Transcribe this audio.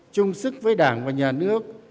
chung sức với đảng và nhà nước